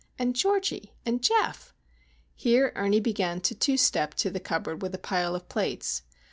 and Georgie? and Geof?" Here Ernie began to two step to the cupboard with a pile of plates.